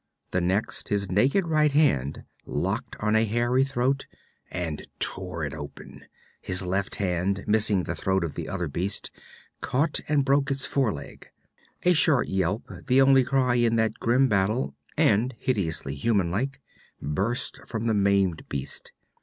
The next, his naked right hand locked on a hairy throat and tore it open. His left hand, missing the throat of the other beast, caught and broke its foreleg. A short yelp, the only cry in that grim battle, and hideously human like, burst from the maimed beast.